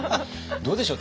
どうでしょう？